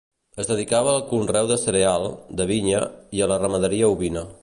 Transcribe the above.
Es dedicava al conreu de cereals, de vinya i a la ramaderia ovina.